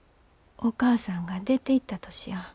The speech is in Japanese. お母さんが出ていった年や。